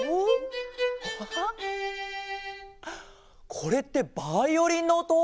これってバイオリンのおと？